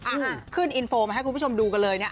อ่ะขึ้นอินโฟมาให้คุณผู้ชมดูกันเลยเนี่ย